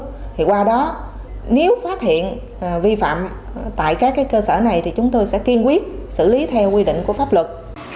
thì qua đó nếu phát hiện vi phạm tại các cơ sở này thì chúng tôi sẽ kiên quyết xử lý theo quy định của pháp luật